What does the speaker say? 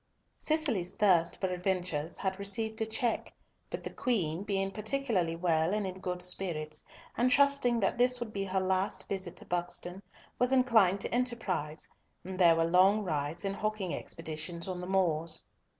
Cicely's thirst for adventures had received a check, but the Queen, being particularly well and in good spirits, and trusting that this would be her last visit to Buxton, was inclined to enterprise, and there were long rides and hawking expeditions on the moors.